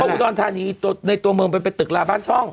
อุดรธานีในตัวเมืองมันเป็นตึกลาบ้านช่อง